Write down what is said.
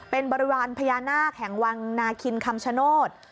เป็นบริวารพญานาคแห่งวังนาคินคำชโนธ